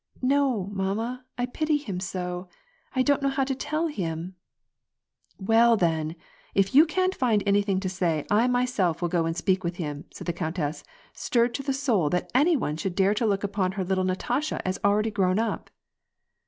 " No, mamma, I pity him so. I don't know how to tell him !"" Well then, if you can't find anything to say, I myself will go and speak with him," said the countess, stirred to the soul that any one should dare to look upon her little Natasha as already grown up.